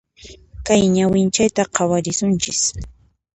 Kay ñawinchayta khawarisunchis.